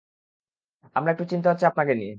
আমার একটু চিন্তা হচ্ছে আপনাকে নিয়ে।